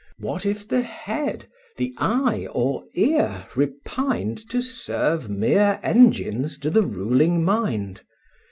What if the head, the eye, or ear repined To serve mere engines to the ruling mind?